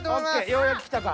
ようやく来たか。